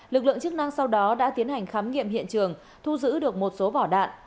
lực lượng chức năng sau đó đã tiến hành khám nghiệm hiện trường thu giữ được một số vỏ đạn